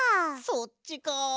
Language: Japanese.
そっちか。